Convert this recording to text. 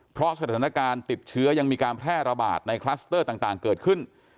เพราะสถานการณ์ติดเชื้อยังมีการแพร่ระบาดในคลัสเตอร์ต่างเกิดขึ้น